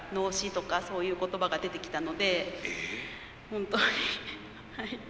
本当にはい。